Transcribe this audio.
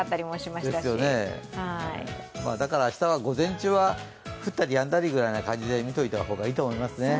だから明日は午前中は降ったりやんだりぐらいな感じでみておいた方がいいですね。